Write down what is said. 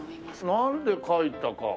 なんで描いたか。